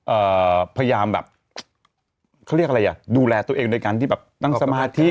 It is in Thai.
เอ่อพยายามแบบเขาเรียกอะไรอ่ะดูแลตัวเองโดยการที่แบบนั่งสมาธิ